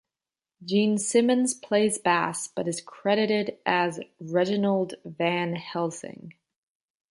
Gene Simmons plays bass but is credited as Reginald Van Helsing.